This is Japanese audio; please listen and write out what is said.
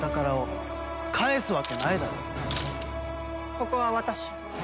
ここは私が。